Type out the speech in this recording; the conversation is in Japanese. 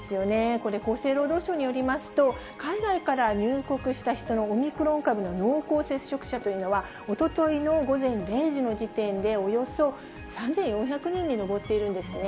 これ、厚生労働省によりますと、海外から入国した人のオミクロン株の濃厚接触者というのはおとといの午前０時の時点で、およそ３４００人に上っているんですね。